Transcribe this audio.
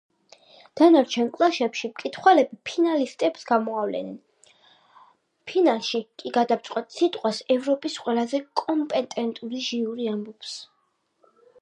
დანარჩენ კლასებში მკითხველები ფინალისტებს გამოავლენენ, ფინალში კი გადამწყვეტ სიტყვას ევროპის ყველაზე კომპეტენტური ჟიური ამბობს.